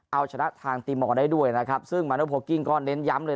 เอาชนะทางตีมอร์ได้ด้วยนะครับซึ่งมาโนโพลกิ้งก็เน้นย้ำเลย